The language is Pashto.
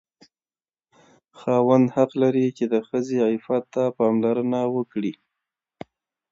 خاوند حق لري چې د ښځې عفت ته پاملرنه وکړي.